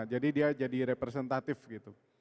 jadi dia jadi representatif gitu